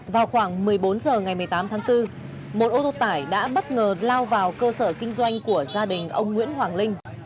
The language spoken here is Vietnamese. vào khoảng một mươi bốn h ngày một mươi tám tháng bốn một ô tô tải đã bất ngờ lao vào cơ sở kinh doanh của gia đình ông nguyễn hoàng linh